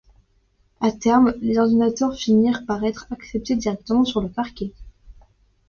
A terme, les ordinateurs finirent par être acceptés directement sur le parquet.